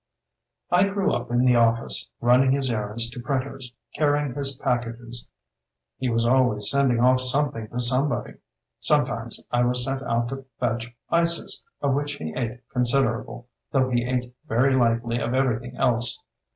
"I grew up in the office, running his errands to printers, carrying his pack ages— ^he was always sending off some thing to somebody. Sometimes I was sent out to fetch ices, of which he ate considerable, though he ate very light ly of everything else.